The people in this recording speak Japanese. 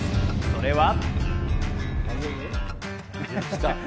それは。